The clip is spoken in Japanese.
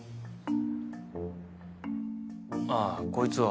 ああこいつは。